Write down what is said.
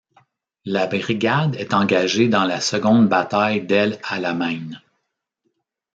La brigade est engagée dans la seconde bataille d'El Alamein.